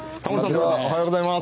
おはようございます。